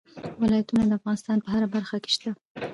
ولایتونه د افغانستان په هره برخه کې شته.